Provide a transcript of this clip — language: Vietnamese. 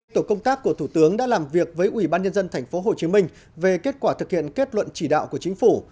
tổ công tác của thủ tướng đã làm việc với ủy ban nhân dân tp hcm về kết quả thực hiện kết luận chỉ đạo của chính phủ